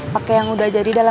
pakai yang udah jadi dalam